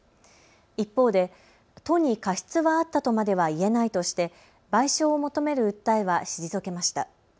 一方で都に過失はあったとまではいえないとして賠償を求める訴えは退けました。